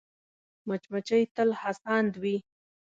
مچمچۍ تل هڅاند وي